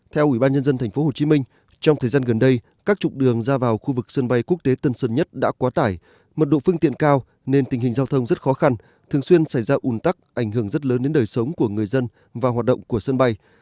theo ủy ban nhân dân tp hcm trong thời gian gần đây các trục đường ra vào khu vực sân bay quốc tế tân sơn nhất đã quá tải mật độ phương tiện cao nên tình hình giao thông rất khó khăn thường xuyên xảy ra ủn tắc ảnh hưởng rất lớn đến đời sống của người dân và hoạt động của sân bay